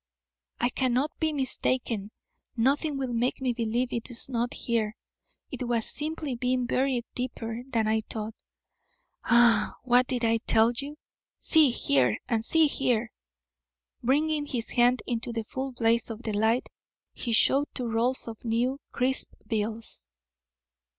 "I cannot be mistaken. Nothing will make me believe it is not here. It has simply been buried deeper than I thought. Ah! What did I tell you? See here! And see here!" Bringing his hands into the full blaze of the light, he showed two rolls of new, crisp bills.